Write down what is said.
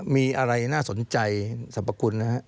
มีอะไรน่าสนใจสรรพคุณนะฮะ